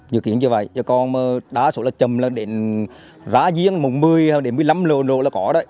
dự kiến như vậy còn đa số là trầm lên đến ra giếng mùng một mươi đến một mươi năm lô là có đấy